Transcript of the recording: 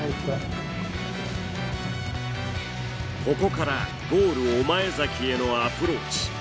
ここからゴール御前崎へのアプローチ。